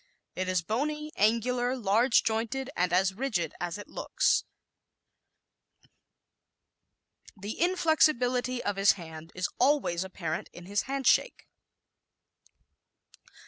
It is bony, angular, large jointed and as rigid as it looks. The inflexibility of his hand is always apparent in his handshake.